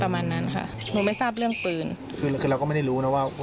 ประมาณนั้นค่ะหนูไม่ทราบเรื่องปืนคือคือเราก็ไม่ได้รู้นะว่า